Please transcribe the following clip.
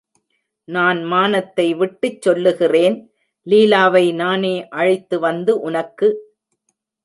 நான் மானத்தை விட்டுச் சொல்லுகிறேன் லீலாவை நானே அழைத்து வந்து உனக்கு.